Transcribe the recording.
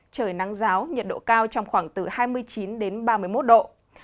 trời nắng giáo nhiệt độ cao trong khoảng từ hai mươi chín đến ba mươi một độ